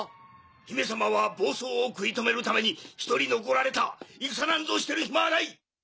姫様は暴走を食い止めるために１人残られた戦なんぞしてる暇はない。